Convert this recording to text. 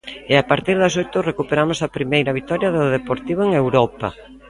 E a partir das oito recuperamos a primeira vitoria do Deportivo en Europa.